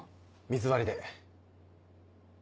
水割りで。